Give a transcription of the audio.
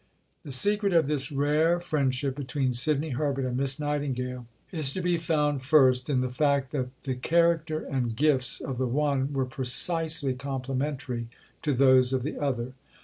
The secret of this rare friendship between Sidney Herbert and Miss Nightingale is to be found, first, in the fact that the character and gifts of the one were precisely complementary to those of the other.